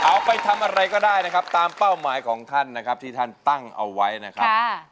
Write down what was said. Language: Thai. เอาไปทำอะไรก็ได้นะครับตามเป้าหมายของท่านนะครับที่ท่านตั้งเอาไว้นะครับ